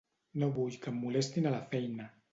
No vull que em molestin a la feina.